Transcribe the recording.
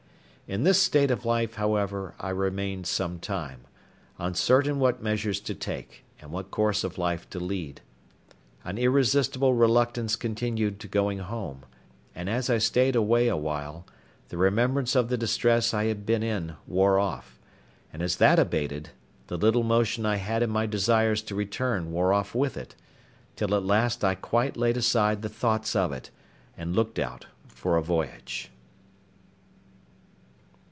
In this state of life, however, I remained some time, uncertain what measures to take, and what course of life to lead. An irresistible reluctance continued to going home; and as I stayed away a while, the remembrance of the distress I had been in wore off, and as that abated, the little motion I had in my desires to return wore off with it, till at last I quite laid aside the thoughts of it, and looked out for a voyage.